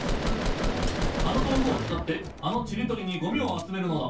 あのどうぐをつかってあのチリトリにゴミをあつめるのだ。